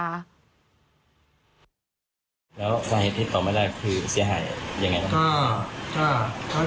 แล้วสาเหตุที่ตอบไม่ได้คือเสียหายยังไงครับ